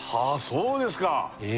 そうですか